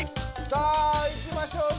さあいきましょう。